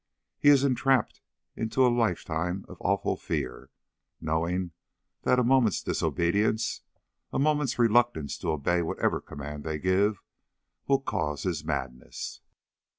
He is entrapped into a lifetime of awful fear, knowing that a moment's disobedience, a moment's reluctance to obey whatever command they give, will cause his madness."